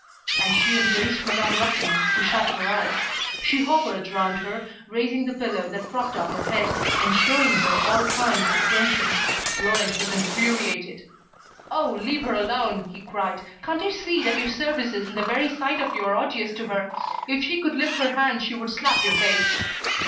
And she embraced Madame Raquin, who shut her eyes. She hovered round her, raising the pillow that propped up her head, and showing her all kinds of attention. Laurent was infuriated. "Oh, leave her alone," he cried. "Can't you see that your services, and the very sight of you are odious to her. If she could lift her hand she would slap your face."